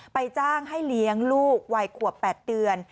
ไปจ้างให้เลี้ยงลูกวัยคั่วแปดเดือน